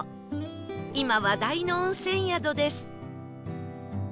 今話題の温泉宿です